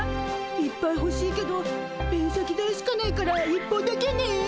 いっぱいほしいけどペン先代しかないから１本だけね。